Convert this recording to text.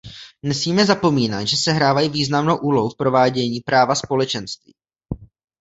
Nesmíme zapomínat, že sehrávají významnou úlohu v provádění práva Společenství.